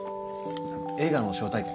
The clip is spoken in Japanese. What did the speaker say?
映画の招待券。